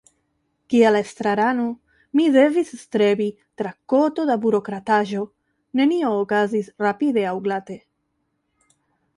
Kiel estrarano mi devis strebi tra koto da burokrataĵo, nenio okazis rapide aŭ glate.